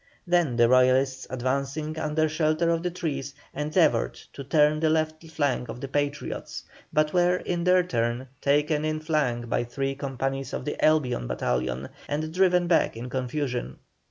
Then the Royalists advancing under shelter of the trees, endeavoured to turn the left flank of the Patriots, but were in their turn taken in flank by three companies of the Albion battalion and driven back in confusion.